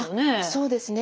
そうですね。